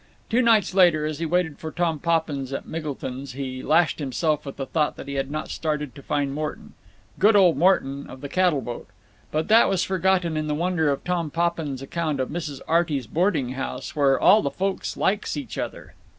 Two nights later, as he waited for Tom Poppins at Miggleton's, he lashed himself with the thought that he had not started to find Morton; good old Morton of the cattle boat. But that was forgotten in the wonder of Tom Poppins's account of Mrs. Arty's, a boarding house "where all the folks likes each other."